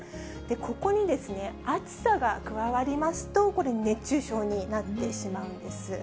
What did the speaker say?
ここに暑さが加わりますと、これ、熱中症になってしまうんです。